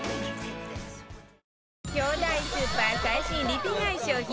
巨大スーパー最新リピ買い商品